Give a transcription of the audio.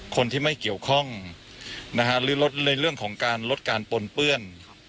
คนที่ไม่เกี่ยวข้องหรือลดในเรื่องของการลดการปนเปื้อน